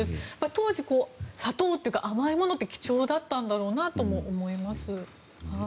当時、砂糖というか甘いものって貴重だったんだろうなとも思います。